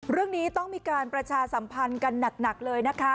เรื่องนี้ต้องมีการประชาสัมพันธ์กันหนักเลยนะคะ